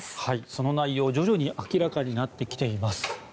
その内容が徐々に明らかになってきています。